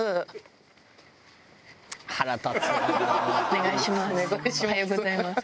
お願いします。